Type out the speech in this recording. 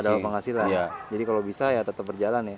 dapat penghasilan jadi kalau bisa ya tetap berjalan ya